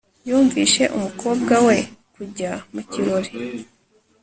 yumvishije umukobwa we kujya mu kirori